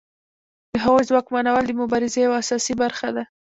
د هغوی ځواکمنول د مبارزې یوه اساسي برخه ده.